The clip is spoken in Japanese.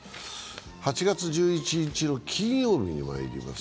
８月１１日の金曜日にまいります。